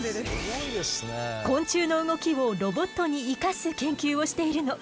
昆虫の動きをロボットに生かす研究をしているの。